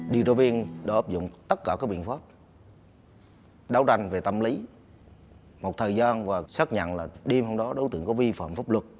điều tra viên đã áp dụng tất cả các biện pháp đấu tranh về tâm lý một thời gian và xác nhận là đêm hôm đó đối tượng có vi phạm pháp luật